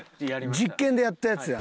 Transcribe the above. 実験でやったやつや。